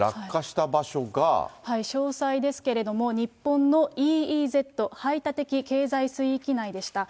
詳細ですけれども、日本のＥＥＺ・排他的経済水域内でした。